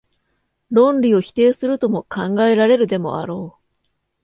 論理を否定するとも考えられるでもあろう。